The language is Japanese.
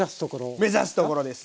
目指すところです。